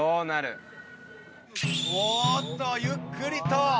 おーっとゆっくりと。